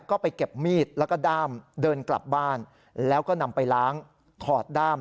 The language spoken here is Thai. ก็ไปเก็บมีดแล้วก็ด้ามเดินกลับบ้านแล้วก็นำไปล้างถอดด้าม